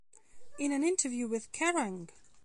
In an interview with Kerrang!